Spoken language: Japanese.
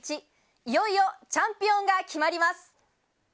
いよいよチャンピオンが決まります。